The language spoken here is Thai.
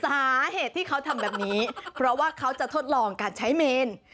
สาเหตุที่เขาทำแบบนี้เพราะว่าเขาจะทดลองการใช้เมน